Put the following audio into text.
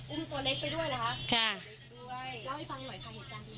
อุ้มตัวเล็กไปด้วยเหรอคะค่ะเล็กไปด้วยเล่าให้ฟังหน่อยค่ะ